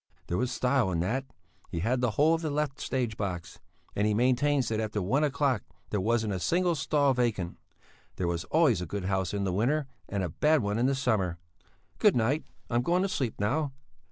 There was style in that! He had the whole of the left stage box, and he maintains that after one o'clock there wasn't a single stall vacant; there was always a good house in the winter and a bad one in the summer. Good night, I'm going to sleep now."